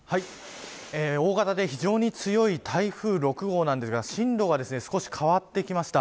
大型で非常に強い台風６号なんですが進路が少し変わってきました。